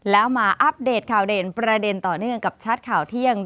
แล้วมาอัปเดตข่าวเด่นประเด็นต่อเนื่องกับชัดข่าวเที่ยง